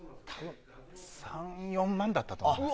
３４万だったと思います。